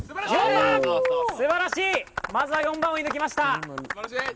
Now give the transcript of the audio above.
すばらしい、まずは４番を射ぬきました。